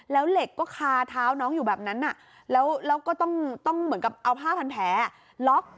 แล้วเหล็กก็คาเท้าน้องอยู่แบบนั้นแล้วก็ต้องเหมือนกับเอาผ้าพันแผลล็อก